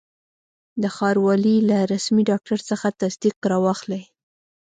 د ښاروالي له رسمي ډاکټر څخه تصدیق را واخلئ.